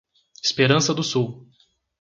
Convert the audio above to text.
Esperança do Sul